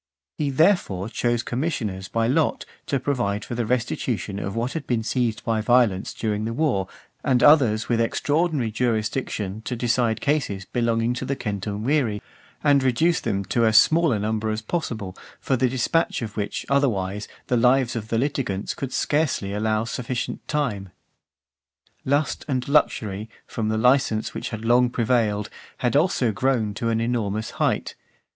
He, therefore, chose commissioners by lot to provide for the restitution of what had been seized by violence during the war, and others with extraordinary jurisdiction to decide causes belonging to the centumviri, and reduce them to as small a number as possible, for the dispatch of which, otherwise, the lives of the litigants could scarcely allow sufficient time. XI. Lust and luxury, from the licence which had long prevailed, had also grown to an enormous height.